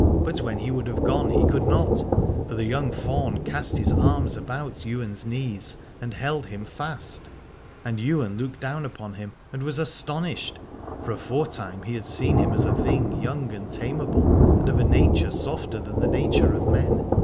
But when he would have gone he could not, for the young faun cast his arms about Ywain's knees and held him fast. And Ywain looked down upon him and was astonished, for aforetime he had seen him as a thing young and tameable, and of a nature softer than the nature of men.